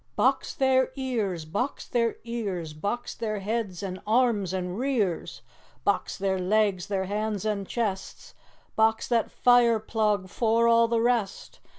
"Box their ears, box their ears! Box their heads and arms and rears! Box their legs, their hands and chests, box that fire plug 'fore all the rest!